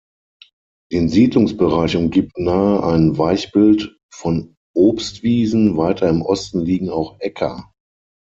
Den Siedlungsbereich umgibt nahe ein Weichbild von Obstwiesen, weiter im Osten liegen auch Äcker.